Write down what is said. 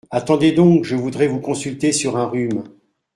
Attendez donc !… je voudrais vous consulter sur un rhume…